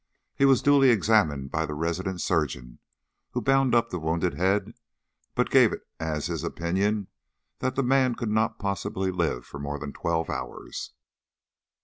He was duly examined by the resident surgeon, who bound up the wounded head, but gave it as his opinion that the man could not possibly live for more than twelve hours.